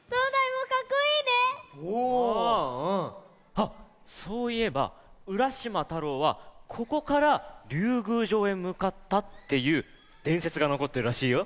はっそういえばうらしまたろうはここからりゅうぐうじょうへむかったっていうでんせつがのこってるらしいよ。